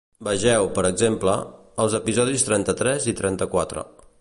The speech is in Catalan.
Vegeu, per exemple, els episodis trenta-tres i trenta-quatre.